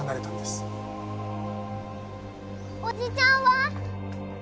おじちゃんは？